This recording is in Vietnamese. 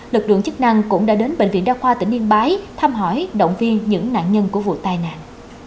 lực lượng chức năng cũng đã đến bệnh viện đa khoa tỉnh yên bái thăm hỏi động viên những nạn nhân của vụ tai nạn